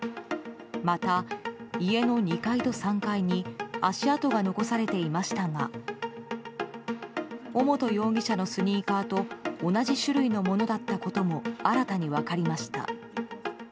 また、家の２階と３階に足跡が残されていましたが尾本容疑者のスニーカーと同じ種類のものだったことも新たに分かりました。